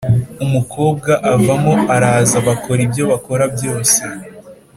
umukobwa avamo, araza, bakora ibyo bakora byose